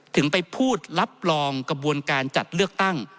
ถึงไปพูดรับรองกระบวนการจัดเลือกตั้ง